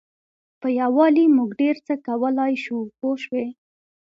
په یووالي موږ ډېر څه کولای شو پوه شوې!.